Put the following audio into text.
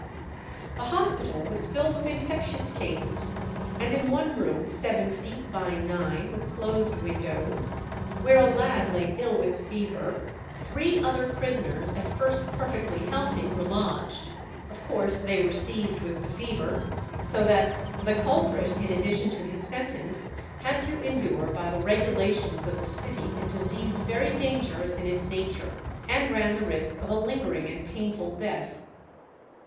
The hospital was filled with infectious cases, and in one room, seven feet by nine, with closed windows, where a lad lay ill with fever, three other prisoners, at first perfectly healthy, were lodged. Of course they were seized with the fever; so that the culprit, in addition to his sentence, had to endure by "the regulations of the city a disease very dangerous in its nature," and ran the risk of a lingering and painful death.